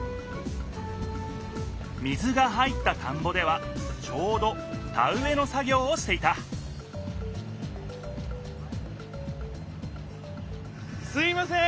水が入った田んぼではちょうど田うえの作ぎょうをしていたすみません！